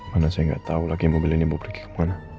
mana saya nggak tahu lagi mobil ini mau pergi kemana